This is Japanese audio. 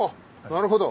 なるほど。